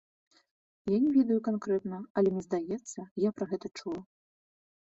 Я не ведаю канкрэтна, але мне здаецца, я пра гэта чула.